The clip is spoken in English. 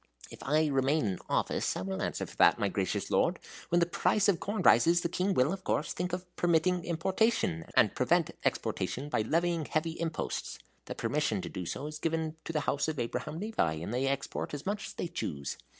"If I remain in office I will answer for that, my gracious Lord! When the price of corn rises, the King will, of course, think of permitting importation, and prevent exportation by levying heavy imposts. The permission to do so is given to the house of Abraham Levi, and they export as much as they choose.